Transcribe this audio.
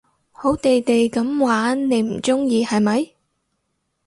好地地噉玩你唔中意係咪？